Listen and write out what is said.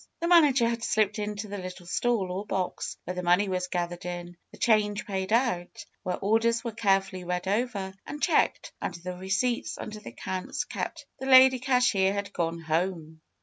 The manager had slipped into the little stall or box, where the money was gathered in, the change paid out ; where orders were carefully read over and checked, and the receipts and the accounts kept. The lady cashier had gone home.